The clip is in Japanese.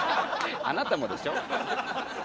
あなたもでしょ。